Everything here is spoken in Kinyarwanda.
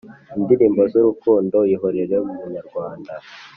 Indirimbo z’urukundo: Ihorere munyarwana